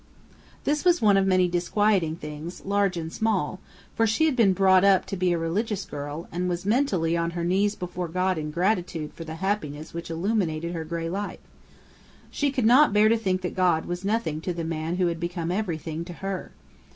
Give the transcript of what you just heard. This was one of many disquieting things, large and small; for she had been brought up to be a religious girl, and was mentally on her knees before God in gratitude for the happiness which illuminated her gray life. She could not bear to think that God was nothing to the man who had become everything to her.